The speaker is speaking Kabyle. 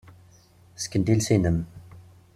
Ssken-d iles-nnem.